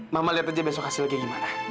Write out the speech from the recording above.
mama lihat aja besok hasilnya gimana